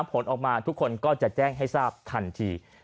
โพสต์ออกมาทุกคนก็จะแจ้งให้ทันที